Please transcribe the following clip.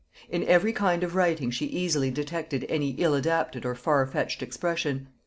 In every kind of writing she easily detected any ill adapted or far fetched expression.